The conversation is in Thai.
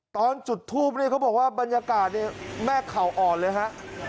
ตอนจุดทูปเนี่ยเขาบอกว่าบรรยากาศเนี่ยแม่เข่าอ่อนเลยฮะ